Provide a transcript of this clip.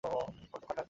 কোনো কাটার রক্ত নয়।